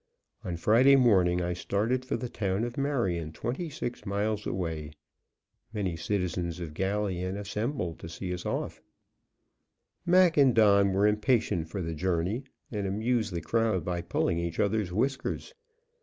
On Friday morning I started for the town of Marion, twenty six miles away. Many citizens of Galion assembled to see us off. Mac and Don were impatient for the journey, and amused the crowd by pulling each other's whiskers.